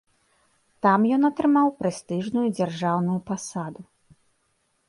Там ён атрымаў прэстыжную дзяржаўную пасаду.